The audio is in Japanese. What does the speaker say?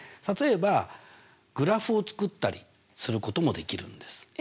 例えばグラフを作ったりすることもできるんです。